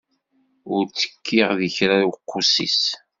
Ur ttekkiɣ di kra uqusis.